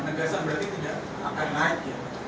pernugasan berarti tidak akan naik ya